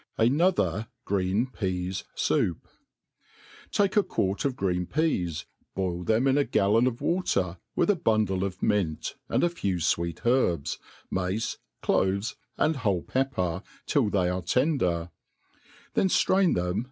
Amthir Green PeaS'Soup, TAKE a quart of green peas, boil them in i gallon of wa* ter^ with a bundle of mint, and a kw fweet herbs, mace^ cloves, and whole pepper, till they are tender ; then ftrain them